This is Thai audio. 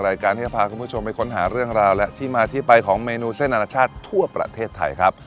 รายการที่จะพาคุณผู้ชมไปค้นหาเรื่องราวและที่มาที่ไปของเมนูเส้นอนาชาติทั่วประเทศไทยครับ